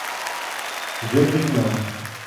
Идемте к нам!